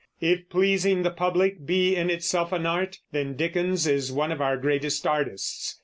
If pleasing the public be in itself an art, then Dickens is one of our greatest artists.